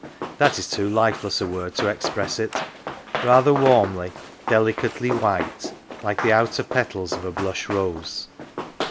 that is too lifeless a word to express it rather warmly, delicately white, like the outer petals of a blush rose.